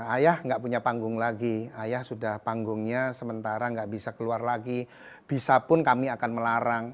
ayah gak punya panggung lagi ayah sudah panggungnya sementara gak bisa keluar lagi bisapun kami akan melarang